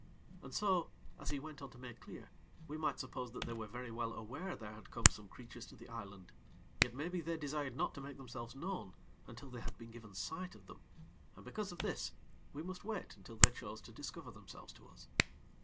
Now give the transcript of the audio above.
And so, as he went on to make clear, we might suppose that they were very well aware there had come some creatures to the island; yet, maybe, they desired not to make themselves known until they had been given sight of them, and because of this, we must wait until they chose to discover themselves to us.